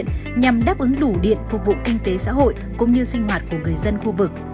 nhằm đáp ứng đủ điện phục vụ kinh tế xã hội cũng như sinh hoạt của người dân khu vực